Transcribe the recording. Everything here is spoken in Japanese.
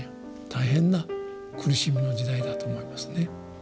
大変な苦しみの時代だと思いますね。